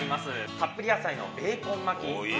たっぷり野菜のベーコン巻きでございます。